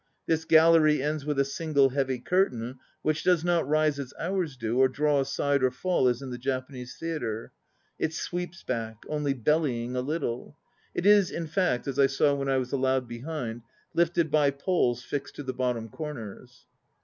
This gallery ends with a single heavy curtain, which does not rise as ours do, or draw aside or fall as in the Japanese theatre. It sweeps back, only bellying a little. It is, in fact, as I saw when I was allowed behind, lifted by poles fixed to the bottom corners.